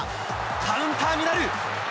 カウンターになる。